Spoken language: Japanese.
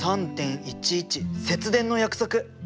３・１１節電の約束！